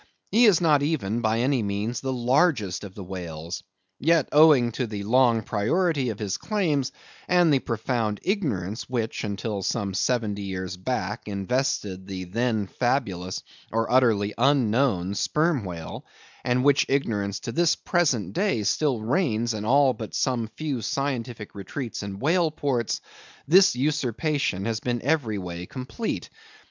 He is not even by any means the largest of the whales. Yet, owing to the long priority of his claims, and the profound ignorance which, till some seventy years back, invested the then fabulous or utterly unknown sperm whale, and which ignorance to this present day still reigns in all but some few scientific retreats and whale ports; this usurpation has been every way complete.